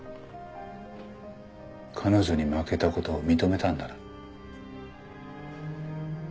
彼女に負けたことを認めたんだな？